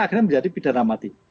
akhirnya menjadi pidana mati